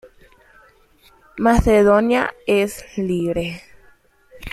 Macedonia es libre.